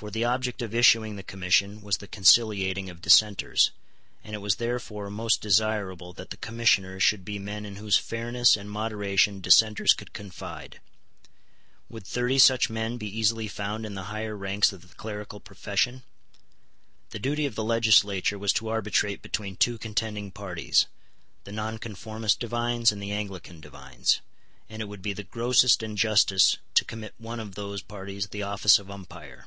For the object of issuing the commission was the conciliating of dissenters; and it was therefore most desirable that the Commissioners should be men in whose fairness and moderation dissenters could confide. Would thirty such men be easily found in the higher ranks of the clerical profession? The duty of the legislature was to arbitrate between two contending parties, the Nonconformist divines and the Anglican divines, and it would be the grossest injustice to commit to one of those parties the office of umpire.